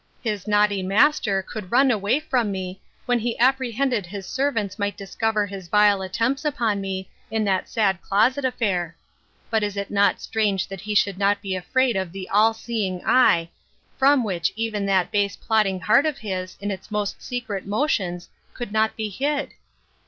—his naughty master could run away from me, when he apprehended his servants might discover his vile attempts upon me in that sad closet affair; but is it not strange that he should not be afraid of the all seeing eye, from which even that base plotting heart of his, in its most secret motions, could not be hid?